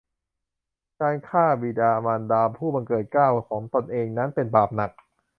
การฆ่าบิดามารดาผู้บังเกิดเกล้าของตนเองนั้นเป็นบาปหนัก